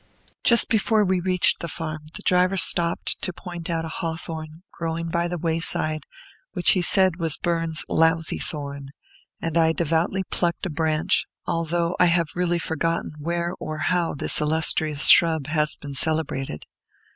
Just before we reached the farm, the driver stopped to point out a hawthorn, growing by the wayside, which he said was Burns's "Lousie Thorn"; and I devoutly plucked a branch, although I have really forgotten where or how this illustrious shrub has been celebrated.